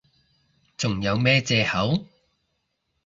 仲有咩藉口？